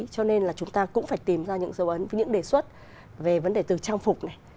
cho nên là chúng ta cũng phải tìm ra những dấu ấn với những đề xuất về vấn đề từ trang phục này